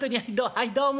はいどうも。